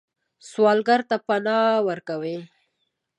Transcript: سوالګر ته پناه ورکوئ